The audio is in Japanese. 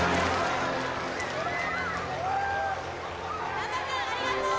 難破君ありがとう！